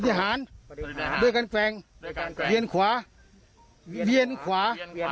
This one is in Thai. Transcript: ให้ทุบให้ทุบขอยแกร่งขอยแกร่งเวียนขวาเวียนขวา